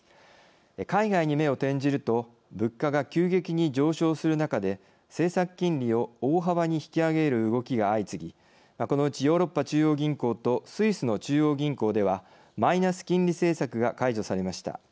海外に目を転じると物価が急激に上昇する中で政策金利を大幅に引き上げる動きが相次ぎこのうちヨーロッパ中央銀行とスイスの中央銀行ではマイナス金利政策が解除されました。